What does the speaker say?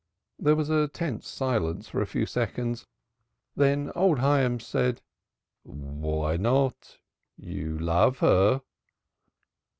There was a tense silence for a few seconds, then old Hyams said: "Why not? You love her."